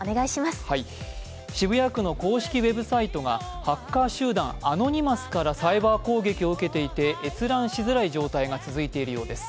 渋谷区の公式ウェブサイトがハッカー集団アノニマスからサイバー攻撃を受けていて閲覧しづらい状態が続いているようです。